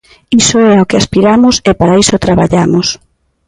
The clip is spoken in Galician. Iso é ao que aspiramos e para iso traballamos.